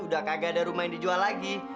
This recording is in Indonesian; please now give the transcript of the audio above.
udah kagak ada rumah yang dijual lagi